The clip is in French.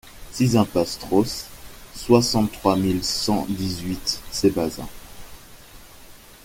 six impasse Strauss, soixante-trois mille cent dix-huit Cébazat